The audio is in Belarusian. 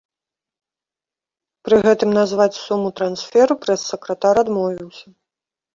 Пры гэтым назваць суму трансферу прэс-сакратар адмовіўся.